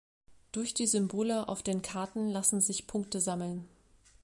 Durch die Symbole auf den Karten lassen sich Punkte sammeln.